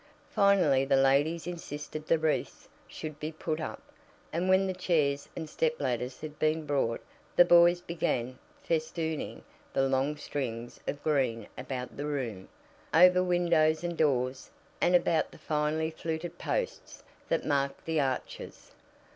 Finally the ladies insisted the wreaths should be put up, and when the chairs and stepladders had been brought the boys began festooning the long strings of green about the room, over windows and doors, and about the finely fluted posts that marked the arches.